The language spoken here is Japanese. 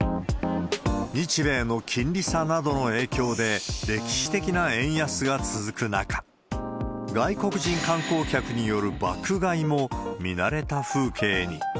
日米の金利差などの影響で、歴史的な円安が続く中、外国人観光客による爆買いも見慣れた風景に。